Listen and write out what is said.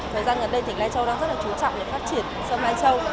thời gian gần đây tỉnh lai châu đang rất là chú trọng để phát triển sâm lai châu